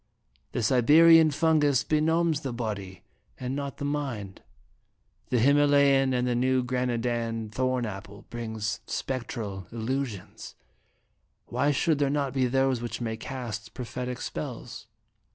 The Siberian fungus benumbs the body, and not the mind; the Him alayan and the New Granadan thorn apple brings spectral illusions ; why should there not be those which may cast prophetic spells?"